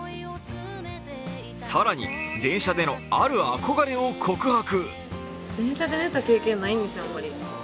更に、電車でのある憧れを告白。